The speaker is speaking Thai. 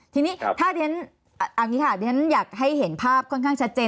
ทีนี้อยากให้เห็นภาพค่อนข้างชัดเจน